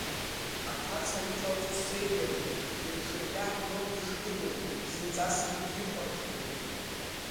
Аҭаца иҟалҵо сзеилыргом, лҽыркьаҳәноуп дышгылоу, зынӡаскгьы дихәаԥшӡом.